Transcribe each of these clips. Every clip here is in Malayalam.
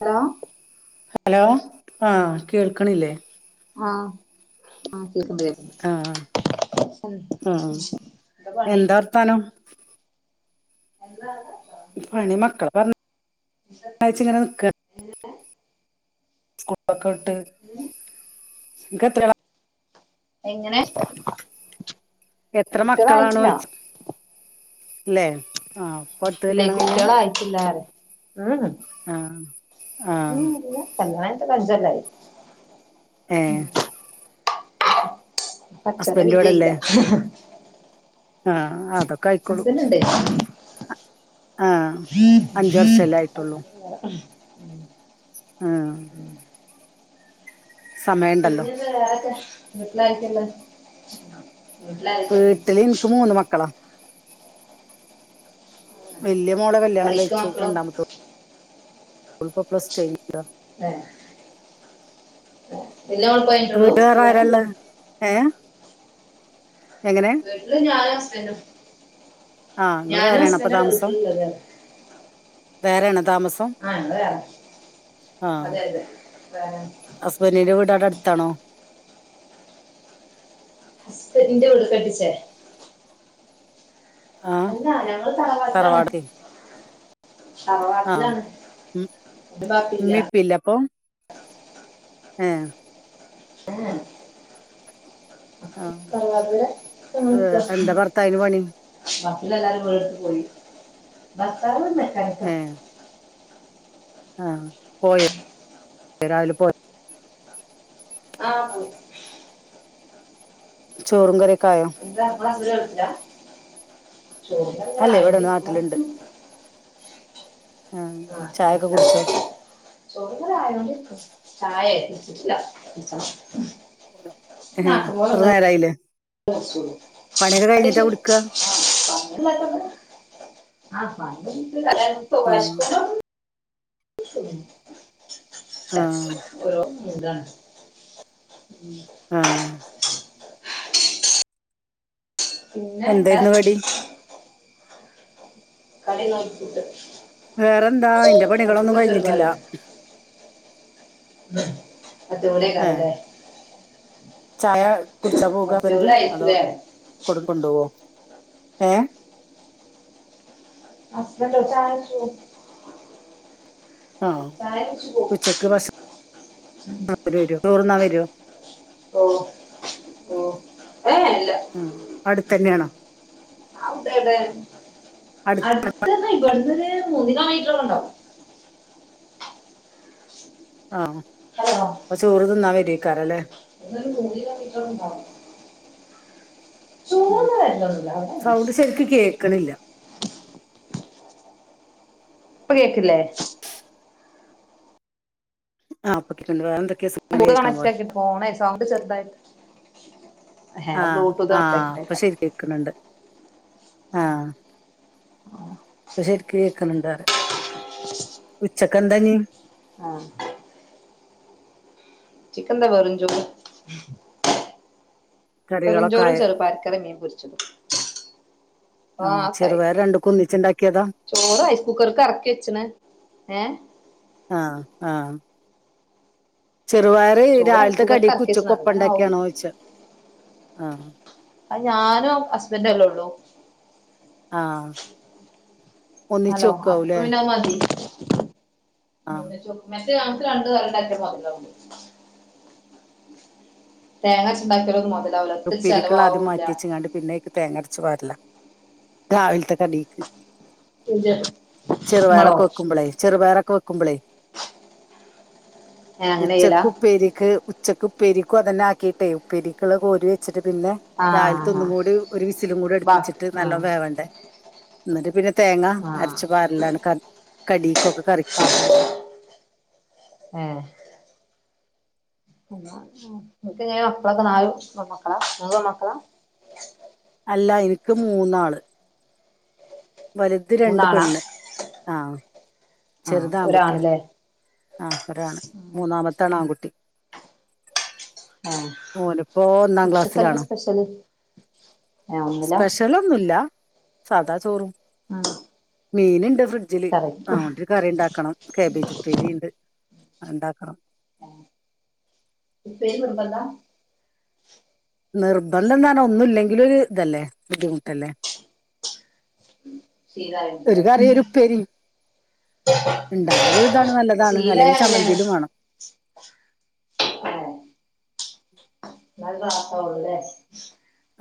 ഹലോ ഹലോ ആഹ് കേൾക്ക്ണില്ലേ ആഹ് ആഹ് കേക്ക്ണ്ട് കേക്ക്ണ്ട് ആഹ് ആഹ് എന്താ വർത്താനം എന്താ പണി മക്കളെ പറഞ്ഞയച്ചിങ്ങനെ നിക്കാണ് സ്കൂളൊക്കെ വിട്ട് ങ്ങക്ക് എത്രാളാ എങ്ങനെ എത്ര കുട്ട്യാളായിട്ടില്ല മക്കളാണോയിച്ച ല്ലെ ആ ഇല്ലേ കുട്ട്യാളായിട്ടില്ലറിയാ ഉം ഉം ആഹ് ആഹ് ഉം ഇല്ല കല്യാണം കഴിഞ്ഞിട്ടഞ്ചൊല്ലായി ഏഹ് പട്ച്ചോന്റെ ഹസ്ബൻഡ് വിധി ആയില്ല ഇവിടെല്ലേ ആഹ് അതൊ ഹസ്ബൻ്റ്ണ്ട് ആഹ് അഞ്ച് വർഷല്ലായിട്ടുള്ളൂ ആഹ് സമയണ്ടല്ലോ പിന്നെന്ത വേറെക്കെ വീട്ടിലാരക്കേള്ളത്? വീട്ടില് ഇൻക്ക് മൂന്ന് മക്കളാ വല്ല്യ മോള കല്യാണം പഠിക്കാ കഴിച്ചു മക്കളും രണ്ടാമത്ത ഓള്പ്പ പ്ലസ് ടു കഴിഞ്ഞതാ ദേ എല്ല [unintelligible] വീട്ടുകാര് ആരള്ള ഏഹ് എങ്ങനെ ഇന്ന് ഞാന അസ്ബൻ്റും ആഹ് ഇങ്ങള് വേറേണോ അപ്പൊ താമസം വേറേണോ താമസ ആഹ് ഞങ്ങള് വേറെ അതെ അതെ വേറെ ഹസ്ബൻ്റിന്റെ വീട് അവ്ടെ അട്ത്താണോ ഹസ്ബന്റിന്റെ [unintelligible] ആ അല്ല ഞങ്ങള് തറവാട്ടിലാണ്. തറവാട് ആഹ് തറവാട്ടിലാണ് ഒരു ബാപ്പില്ല ഇമ്മിം ഈപ്പിം ഇല്ലെ അപ്പൊ ഏഹ് [unintelligible] ആ തറവാട് ഏ തന്ന്ക്ക എന്താ ഭർത്താവിന് പണി ബാക്കിള്ളെ എല്ലാരും വീട് എടുത്ത് പോയി ഭർത്താവ് മെക്കാനിക്ക ആഹ് പോയാ? രാവിലെ പോയതാ ആഹ് പോയി ചോറും കറിയൊക്കെ ആയോ? ഇല്ല ഇങ്ങള് അങ്ങനെ ചോയ്ച്ച ചോറിതാ ഇങ്ങനെ അല്ലേ ഇവിടെ ആയോണ്ടിരിക്കുണു നാട്ടിലുണ്ട് ആ ആഹ് ചായൊക്കെ നല്ല കുടിച്ചോ മഴ ചോറ്ങ്ങനെ ആയോണ്ട് ഇര്ക്ക ചായെ കുടിച്ചിട്ടില്ല കുടിച്ചണം ഏഹേ ഇത്ര നേരായില്ലേ? പണിയൊക്കെ കഴിഞ്ഞിട്ടാ കുടിക്കുക [inaudible] ആ [unintelligible] തിന്നും ആ ഉം ഓരോ മൂഡാണ് ഉം ആഹ് പിന്നെ വേറെ എന്തായിരുന്നു കടി കടി ഇന്ന് ഇവിടെ ഫുഡ് വേറെന്താ ഇന്റെ പണികളൊന്നും കഴിഞ്ഞിട്ടില്ല പത്ത് ഏ മണിയേക്കാരലേ? ചായ കുടിച്ചാ പോക ഹസ്ബൻഡ് അതോ? അയച്ചില്ലേ കൂടെ കൊണ്ടോവോ? ഏഹ്? ഹസ്ബൻഡോ? ചായ കുടിച്ചു പോവും ആഹ് ചായ വെച്ചു പോകും ഉച്ചക്ക് ഭക്ഷണം തിന്നാൻ ഇങ്ങട്ട് വരോ? ചോറ്ന്നാൻ വരോ? ഓഹോ ഉം അടുത്തന്നെയാണോ? അവിടേടെ അടുത്ത് അട്ത്ത് പറഞ്ഞ ഇബട്ന്നൊര് മൂന്ന് കിലോ മീറ്ററൊക്കെ ഇണ്ടാവും ആഹ് ഹലോ അപ്പം ചോറ് തിന്നാൻ വരുവെയ്ക്കാരല്ലേ? ഇന്നൊരു മൂടി കെട്ടിക്ക്ണ് ണ്ടാണും ആഹ് വരലൊന്നുമില്ല അവിടെ തന്നെ സൗണ്ട് ശരിക്ക് കേക്ക്ണില്ല ഇപ്പ കേക്കില്ലേ? ആഹ് ഇപ്പൊ കേക്ക്ണ്ട് വേറെന്തെക്കെ സു ബ്ലൂട്ടൂത്ത് കണക്റ്റാക്കിയിട്ട് ഫോണെ സൗണ്ട് ചെറുതായിട്ട് ഏഹ് ആഹ് ബ്ലൂടൂത്ത് കണക്ട് ആഹ് ഇപ്പം ആക്കിട്ടേക്കാം ശരിക്ക് കേക്ക്ണ് ണ്ട് ആഹ് ഇപ്പം ശരിക്ക് കേക്ക്ണുണ്ട് പറയ ഉച്ചക്കെന്താ ഇഞ്? ആഹ് ഉച്ചക്കെന്താ വെറും ചോറ് വെറും കറികളൊക്കെ ചോറും ആയോ ചെറുപയർ കറിയും മീൻ പൊരിച്ചതും ആ അതൊക്കായി ഇപ്പെണ്ടാക്കിയതാ? ചോറ് റൈസ് കുക്കറ്ക്ക് എറക്കി വെച്ച്ണ് എഹേ? ആഹ് ആഹ് ചെറുപയറ് ചോറ് റൈസ് രാവിലത്തെ കുക്കർക്ക് കടിക്കും എറക്കി വെച്ച്ണ് ഉച്ചക്കും ഒപ്പം അതിങ്ങനെ ആവും ഇണ്ടാക്കിയാണോ ചോയ്ച്ച ആഹ് അത് ഞാനും ഹസ്ബൻഡും അല്ലേ ഒള്ളു? ആഹ് അപ്പം പിന്നെ അത് മതി ആ [unintelligible] മറ്റേത് ഞമ്മക്ക് രണ്ട് കറി ഇണ്ടാക്കിയ മൊതലാവൂല തേങ്ങര്ച്ച് ഇണ്ടാക്കിയാലൊന്നും മൊതലാ ഉപ്പേരിക്ക്ള്ളത് അദ്യം മാറ്റിവെച്ച്ങ്ങാണ്ട് പിന്നെ അയ്ക്ക് തേങ്ങരച്ച് പാരലാ രാവിൽത്തെ കടി ഇങ്ങളോ ചെറുപയറൊക്കെ വെക്കുമ്പളെ ചെറുപയറൊക്കെ വെ കുമ്പളെ ഏ അങ്ങനെ ചെയ്യലാ ഉച്ചക്കുപ്പേരിക്ക് ഉച്ചക്ക് ഉപ്പേരിക്കും അതന്നെ ആക്കിയിട്ടെ ഉപ്പരിക്ക് ള്ള കോരി വെച്ചിട്ട് പിന്നെ ആ രാവിലത്ത ആ ഒന്നും കൂടി ഒരു വിസിലും കൂടെ ബാക്കി അടുപ്പിച്ചിട്ട് ആ നല്ലോം വേവണ്ടേ ഇന്നട്ട് പിന്നെ തേങ്ങ ആ അരച്ച് പാരലാണ് കടീക്കൊക്കെ കറിക്കെ ഏഹ് ഇങ്ങക്ക് എങ്ങനെ മക്കളൊക്കെ? നാല് പെമ്മക്കളാ മൂന്ന് പെമ്മക്കളാ അല്ല ഇനിക്ക് മൂന്നാള് വലുത് രണ്ട് മൂന്നാളാ പെണ്ണ്, ആഹ് ആഹ് ചെറുത് ആൺകുട്ടിയാണ് ഒരാണല്ലേ ആഹ് ഒരാണ് മൂന്നാമത്താണ് ആൺകുട്ടി ആഹ് ഓനിപ്പോ ഒന്നാം ഉച്ചക്കെന്താ ക്ലാസ്സിലാണ്. സ്പെഷ്യല് ഏഹ് ഒന്നുല്ല സ്പെഷ്യലൊ ന്നുല്ല സാധാ ചോറും [unintelligible] മീന്ണ്ട് ഫ്രിഡ്ജില് കറി അതോണ്ടൊരു കറിണ്ടാക്കണം കാബേജ് ഉപ്പേരീണ്ട് അത്ണ്ടാക്കണം ഉപ്പേരി നിർബന്ധാ നിർബന്ധം പറഞ്ഞ ഒന്നുല്ലെങ്കില് ഒരു ഇതല്ലേ ബുദ്ധിമുട്ടല്ലേ ഒരു ശീലായോണ്ട്ല്ലേ കറിം ഒരുപ്പേരിം ഇണ്ടായാലൊരിതാണ് നല്ലതാണ് അല്ലെങ്കിൽ ഒരു ചമ്മന്തേലും വേണം മം ഇന്നാലെ റാഹത്താവൊള്ളു ലേ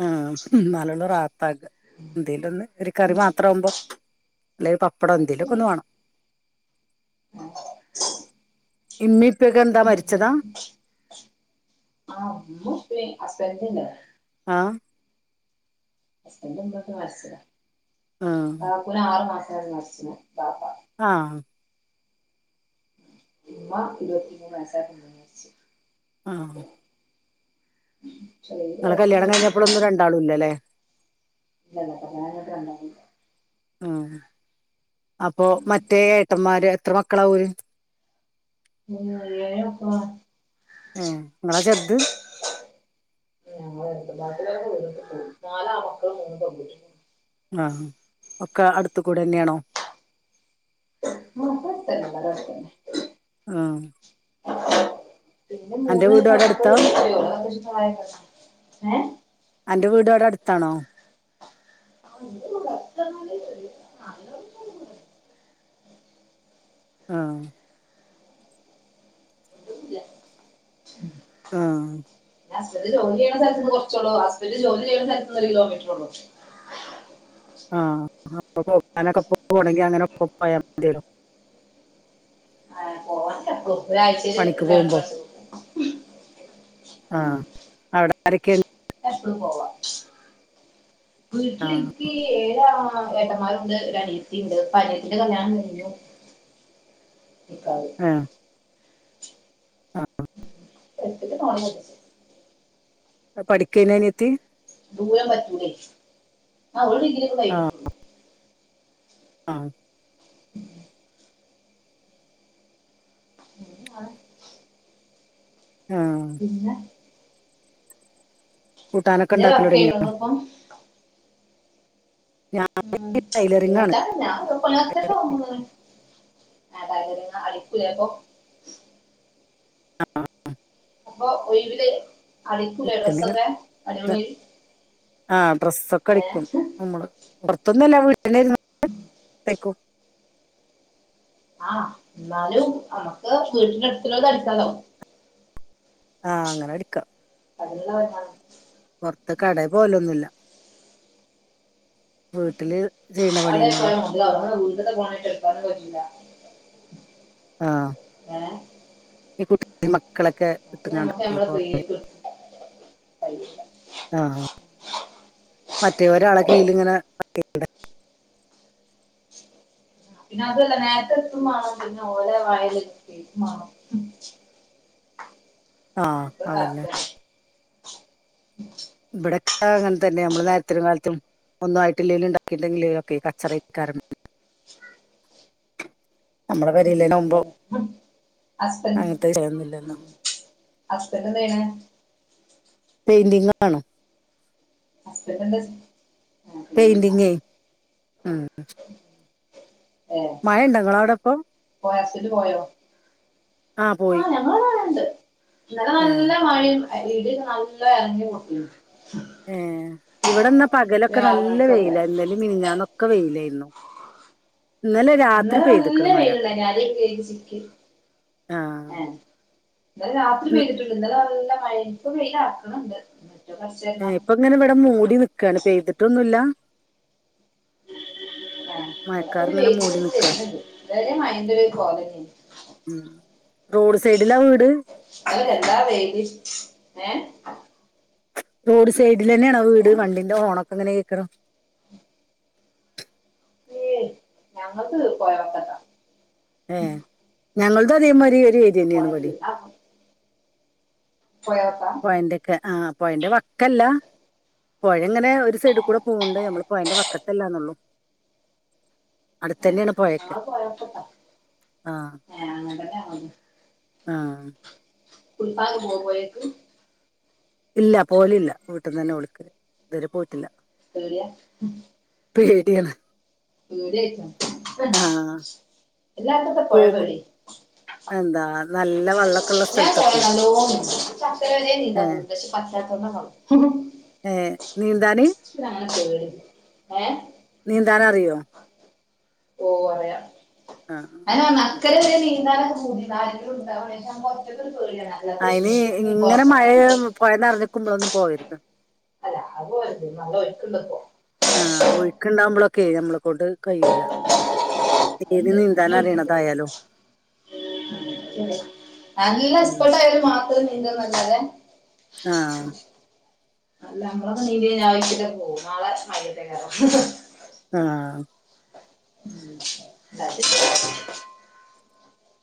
ആഹ് ഇന്നാലൊള്ളു റാഹത്താക എന്തേലും ഒന്ന് ഒരു കറി മാത്ര ആവുമ്പം അല്ലേ പപ്പടോ എന്തേലും ഒക്കെ ഒന്ന് മാണം [inaudible] ഇമ്മിപ്പ്യൊക്കെ എന്താ മരിച്ചതാ ആഹ് ഉമ്മിം ഉപ്പിം ഹസ്ബൻ്റിനില്ല ആഹ് ഹസ്ബസിൻ്റെ ഇമ്മിപ്പിം മരിച്ചതാ ആഹ് ഒരാറ് മാസായപ്പം മരിച്ചിണ് ബാപ്പ ആഹ് ഇമ്മ ഇരുപത്തി മൂന്ന് വയസായപ്പം മരിച്ച് ആഹ് ചെറിയ ഇങ്ങളെ പ്രായത്തില് കല്യാണം മരിച്ച് കഴിഞ്ഞപ്പളൊന്നും രണ്ടാളും ഇല്ലലെ ഇല്ലല്ല അപ്പം ഞാനിങ്ങട്ട് വന്നപ്പല അഹ് അപ്പം മറ്റേ ഏട്ടന്മാര് എത്ര മക്കളാ ഓര് ഓല് എഴ് മക്കളാണ് ഏ നിങ്ങളാ ചെറുത് [unintelligible] നാല് ആൺമക്കളും മൂന്ന് പെണ്ണും ആഹ് ഒക്കെ അടുത്ത് കൂടെ തന്നെയാണോ ആഹ് ഇവ്ടെ അടുത്തന്നെ [unintelligible] അവടടെ തന്നെ ആഹ് പിന്നെ മൂന്ന്മ വീട് അവിടെ അടുത്താ [unintelligible] ഏഹ് അന്റെ വീടവിടെ അടുത്താണോ ആ ന്റെ വീട് അട്ത്താന്ന് പറഞ്ഞല് ഒര് [unintelligible] ആഹ് ഇല്ല ആഹ് ഹസ്ബന്റ് ജോലി ചെയ്യണ സ്ഥലത്ത് ന്ന് കൊറച്ചോള്ളൂ ഹസ്ബന്റ് ജോലി ചെയ്യണ സ്ഥലത്തിന്ന് ഒരു കിലോമീറ്റർ ഉള്ളൂ ആഹ് [unintelligible] പണിക്ക് പോകുമ്പോ [unintelligible] ഉം ആഹ് അവ്ടെ ആരൊക്കെ എപ്പളും പോവാ ആ വീട്ടില് ഇൻക്കി ഏഴ് ആങ്ങളമാ ആഹ് ഏട്ടന്മാരുംണ്ട് ഒരു അനിയത്തി ഇണ്ട് ഇപ്പൊ അനിയത്തിന്റെ കല്ല്യാണം കഴിഞ്ഞു [unintelligible] ആഹ് ആഹ് [unintelligible] പ്പോ പഠികേയിനോ അനിയത്തി ദൂരം പറ്റൂല്ലെയ് ആഹ് ഓള് ഡിഗ്രി ഒക്കെ കഴിഞ്ഞ്ക്ക്ണു ആഹ് ആഹ് ആഹ് പിന്നെ കൂട്ടാനൊക്കെ ഇതേ ഇണ്ടാക്കല് വർക്ക് ഒടങ്ങിയോ? ചെയ്യണപ്പം ഉം ടൈലറിംഗ് ആണ് കൂട്ടാൻ അല്ല [unintelligible] [unintelligible] ആഹ് ആഹ് അപ്പൊ ഒയ്‌വില് അടിക്കുല്ലെ ഡ്രസ്സ്‌ ഒക്കെ മരോള് ആഹ് ഡ്രസ്സ് ഒക്കെ അടിക്കും മ്മള് പുറത്തൊന്നുംഅല്ല വീ ട്ടിൽ ഇരുന്ന് കൊണ്ട് തയ്ക്കും ആഹ് ന്നാലും നമ്മക്ക് വീട്ടിന്റെ അടുത്ത് ഉള്ളവർത് അടിക്കാല്ലോ ആഹ് അങ്ങനെ അടിക്കാം [unintelligible] പൊറ്ത്ത് കടേ പോലൊന്നും ഇല്ല വീട്ടില് ചെയ്ണ പണിയന്നെ ഒള്ളു [unintelligible] ഫോണ് ആണെങ്കിൽ എടുകാനും പറ്റില്ല ആ ഏഹ് ഈ കുഞ്ഞി മക്കളൊക്കെ നമുക്ക് ഇട്ട്ക്കാണ്ട്അല്ലെ ഈ നമ്മളെ പോവൽ [unintelligible] ആഹ് മറ്റേ ഒരാളെ കീഴിലിങ്ങനെ [unintelligible] പിന്നെ അതുല്ലാ നേർത്തെ എത്തും വാണം പിന്നെ ഓലെ വായേല് ള്ളത് കേക്കും വാണം ആഹ് അതന്നെ ടാസ്ക്കാണ് ഇവ്ടെക്കെ അങ്ങനെ തന്നെ നമ്മള് നേരത്തിനും കാൽത്തും ഒന്നും ആയിട്ടില്ലേല്ലും ഇണ്ടാക്കിട്ടില്ലെക്കില് ഒക്കെ കച്ചറാ അയ്ക്കാരം നമ്മുളെ പെരേല് ന്നെ ആവുമ്പോ ഹസ്ബന് വിഷയൊന്നുമില്ലല്ലോ ഹസ്ബന്റ് എന്താ ചെയ്ണേ പെയിന്റിംങ്ങാണോ? ഹസ്ബൻഡ് എന്താ പിന്നെ പെയിൻ്റിങ്ങെ ആഹ്! ഏഹ് നിങ്ങളെ അവിടെ ഇപ്പൊ പോയോ ഹസ്‌ബൻ്റ് പോയോ ആ പോയി ആഹ്! ഞങ്ങൾടെ അവിടെയുണ്ട്. ഇന്നലെ ഏ നല്ല മഴ [unintelligible] ഏഹ് ഇവെടെന്നാ ഒരു പകലൊക്കെ ആറു നല്ല മണിക്കൊക്കെ വെയ്ലാ ഇന്നലിം മിനിഞ്ഞാന്നൊക്കെ വെയ്ലേയ്ര്ന്നു ഇന്നലെ നല്ല പെയ്തിക്കണ് മഴ വെയ്ല്ണ്ടായ്നി അര്യൊക്കെ കെയ്കി ചിക്കി ആ ഏഹ് ഇന്നലെ രാത്രി പെയ്തിട്ട്ണ്ട് ഇന്നലെ നല്ല മഴേനി ഇപ്പ വെയ്ലറ്ക്ക്ണ്‌ണ്ട് ന്ന്ട്ട് കൊർച്ചെയ്ന്നാ ഇങ്ങെനെ വെടെ മൂടി നിക്കാണ് പെയ്ത്ട്ടൊന്നുല്ലാ ആഹ് മഴക്കാർ [unintelligible] ഇങ്ങനെ മൂടി വെര്ണ്‌ണ്ട് നിക്ക ഇതരേ മയന്റൊര് കോലെന്നേനി ഉം റോഡ് സൈഡ്ലാ വീട് അഹ് എന്താ വെയ്ല് ഏഹ് റോഡ് സൈഡിലെന്നെണോ പിന്നെ വീട് വണ്ടിന്റെ ഹോണൊക്കെങ്ങെനെ കേക്ക്ണു ഏയ് ഞങ്ങൾത് പൊയവക്കത്താ ഏഹ് ഞങ്ങൾതും അതേ മയ്രി ഒരെ പാറ്റ്ണ്ട് ആ [unintelligible] പൊയവക്കാ പൊയെന്റെക്ക് ആഹ് പൊയന്റെ വക്കെല്ലാ പൊയെങ്ങെനെ ഒര് സൈഡ്ക്കൂടെ പോവ്ണ്ട് ഞമ്മള് പൊയന്റെ വക്കത്തല്ലാന്നൊള്ളു ഞങ്ങള് പൊയവക്കത്താ ആ ഏഹ് അങ്ങൻതന്നെ ഞങ്ങൾതും ആഹ് കുളിക്കാനൊക്കെ പോവോ പൊയേക്ക് ഇല്ല പോവലില്ല വീട്ട്ന്നെന്നെ കുളിക്കല് ഇതുവെരെ പോയ്ട്ടില്ലാ പേട്യാ പേട്യാണ് പേട്യായ്ട്ടാ എല്ലാര്ക്കു എത്ത പൊഴ പോകും പേടി എന്താ നല്ല വെള്ളമൊക്കെ ഉള്ള ഞാൻ പൊയ സ്ഥലത്തൊക്കെ നല്ലോം നീന്തും ഇച്ചക്കരവരെ ഏ നീന്താ പൂതിണ്ട് പഷ് പറ്റാത്തോണ്ടാന്നാെള്ളു ഏഹ് നീന്താന് ഇച്ച് പിന്നെ അങ്ങെനെ പേട്യൊന്നുല്ല ഏഹ് നീന്താനറിയോ? ഓഹ് അറിയാ ആഹ് ആഹ് അതെന്നെ പർഞ്ഞെ അക്കെരെ വെരെ നീന്താനൊക്കപൂതിണ്ട് ആരെങ്കിലും ണ്ടാവാണെ ഇതാവുമ്പം ഒറ്റെക്കൊര് പേട്യാണ്. അയ്ന് ഇങ്ങെനെ മഴെ പൊയ നർഞ്ഞ്ക്ക്മ്പളൊന്നും പോവെര്ത്. അല്ല അത് കൊയ്പ്പ മയ ഒയ്ക്ക്ണ്ട്പ്പോ ആഹ് ഒഴ്ക്ക്ണ്ടാവുമ്പളൊക്കേ നമ്മളെക്കൊണ്ട് കയ്യൂലാ. ഏത് ഉണ്ട് നല്ല ഒഴുക്കുണ്ട് ഇപ്പോ നീന്താനറീണതായാലും. നല്ല ഉം. എസ്പേട്ടായോല് മാത്രേ നീന്താന്നല്ലാതെ ആഹ് ആം അല്ല അമ്മളൊക്കെ നീന്തി കയ്ഞ്ഞാ ആ ഒയ്ക്ക്ലാണ്ട് പോവും നാളെ മയ്യത്തേക്കാരം. ആം ഉം അത്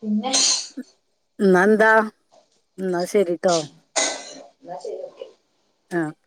പിന്നെ ന്നാ ന്താ ന്നാ ശരിട്ടോ. ന്നാ ശരി ഓക്കെ. ആഹ്